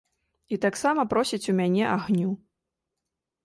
І таксама просіць у мяне агню.